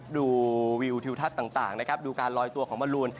ดูวิวทิวทัศน์ต่างนะครับดูการลอยตัวของมลูน